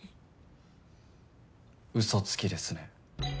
うそつきですね。